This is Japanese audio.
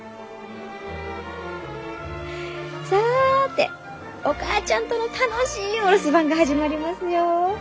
さてお母ちゃんとの楽しいお留守番が始まりますよ！